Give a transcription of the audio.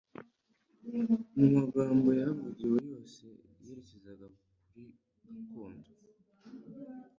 Mu magambo yahavugiwe yose yerekezaga kuri gakondo